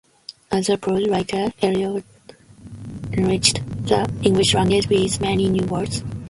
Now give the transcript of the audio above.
As a prose writer, Elyot enriched the English language with many new words.